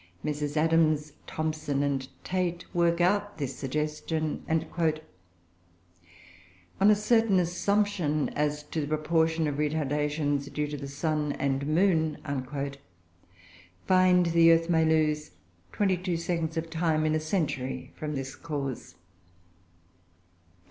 Messrs. Adams, Thomson, and Tait work out this suggestion, and, "on a certain assumption as to the proportion of retardations due to the sun and moon," find the earth may lose twenty two seconds of time in a century from this cause.